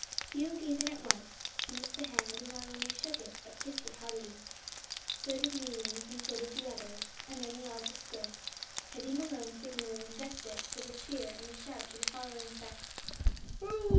Hugh gave in at once seized the hand, and not only shook it, but kissed it heartily. So did Malines, and so did the others, and then they all dispersed Teddy Malone signalling his exit with a cheer and a shout to the following effect "Hooroo!